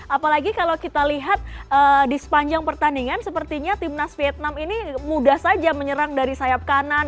apalagi kalau kita lihat di sepanjang pertandingan sepertinya timnas vietnam ini mudah saja menyerang dari sayap kanan